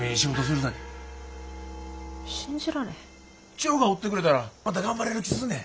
千代がおってくれたらまた頑張れる気すんねん。